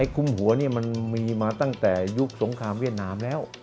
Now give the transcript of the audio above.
คุมหัวนี่มันมีมาตั้งแต่ยุคสงครามเวียดนามแล้ว